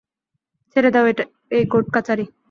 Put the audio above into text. ছেড়ে দাও এই কোর্ট কাচারি।